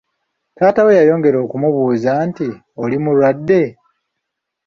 Taata we yayongera okumubuuza nti, “Oli mulwadde?”